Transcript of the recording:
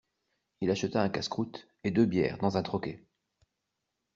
Il acheta un casse-croûte et deux bières dans un troquet.